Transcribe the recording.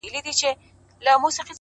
• له شهپر څخه یې غشی دی جوړ کړی ,